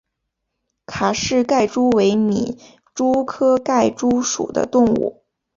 卡氏盖蛛为皿蛛科盖蛛属的动物。